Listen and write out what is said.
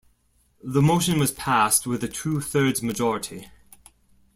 The motion was passed with a two-thirds majority.